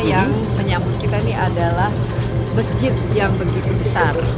yang menyambut kita ini adalah masjid yang begitu besar